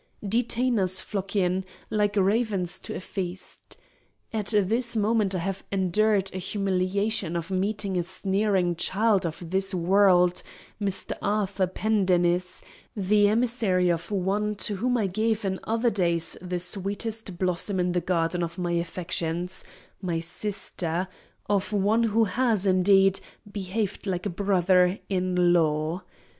Detainers flock in, like ravens to a feast. At this moment I have endured the humiliation of meeting a sneering child of this world—Mr. Arthur Pendennis—the emissary of one to whom I gave in other days the sweetest blossom in the garden of my affections—my sister—of one who has, indeed, behaved like a brother—in law!